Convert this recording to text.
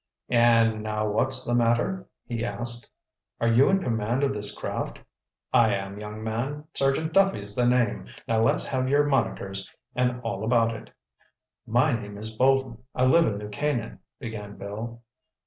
"An' now what's the matter?" he asked. "Are you in command of this craft?" "I am, young man. Sergeant Duffy's the name. Now let's have yer monikers—an' all about it." "My name is Bolton, I live in New Canaan," began Bill.